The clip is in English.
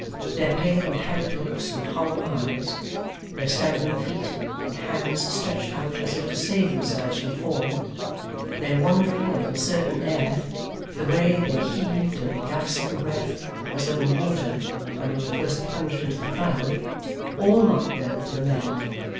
Their pale and haggard looks and hollow eyes; their staggering feet, and hands stretched out as if to save themselves from falling; their wandering and uncertain air; the way they heaved and gasped for breath, as though in water, when they were first plunged into the crowd; all marked them for the men.